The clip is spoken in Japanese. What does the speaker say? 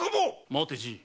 待てじい。